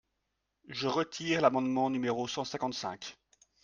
Je retire l’amendement numéro cent cinquante-cinq.